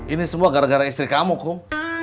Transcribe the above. ini semua gara gara istri kamu